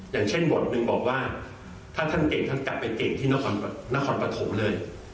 อย่างเช่นบทหนึ่งบอกว่าถ้าท่านเก่งท่านกลับไปเก่งที่นครปฐมเลย